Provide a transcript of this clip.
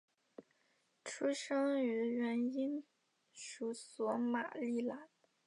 出生于原英属索马利兰。